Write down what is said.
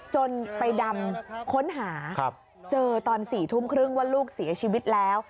จนไปดำค้นหาเจอตอน๔ทุ่มครึ่งว่าลูกเสียชีวิตแล้ว